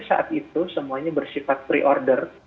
saat itu semuanya bersifat pre order